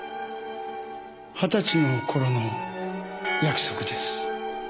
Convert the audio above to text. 二十歳のころの約束です。